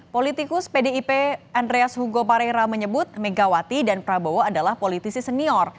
politikus pdip andreas hugo parera menyebut megawati dan prabowo adalah politisi senior